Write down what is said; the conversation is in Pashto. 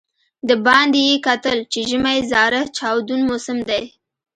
د باندې یې کتل چې ژمی زاره چاودون موسم دی.